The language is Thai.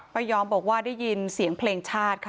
ไม่ยอมบอกว่าได้ยินเสียงเพลงชาติค่ะ